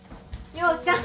陽ちゃん。